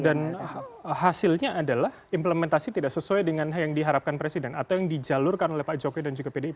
dan hasilnya adalah implementasi tidak sesuai dengan yang diharapkan presiden atau yang dijalurkan oleh pak jokowi dan juga pdip